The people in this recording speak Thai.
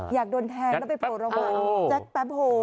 อยากโดนแทงแล้วไปโผล่ลงมาแจ๊คแป๊บโห